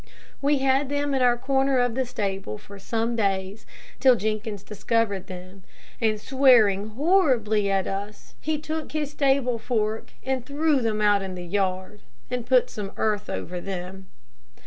We had them in our corner of the stable for some days, till Jenkins discovered them, and swearing horribly at us, he took his stable fork and threw them out in the yard, and put some earth over them.